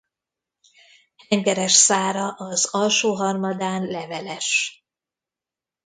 Hengeres szára az alsó harmadán leveles.